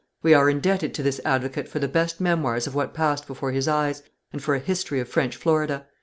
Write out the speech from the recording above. We are indebted to this advocate for the best memoirs of what passed before his eyes, and for a history of French Florida.